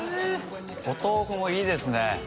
お豆腐もいいですね。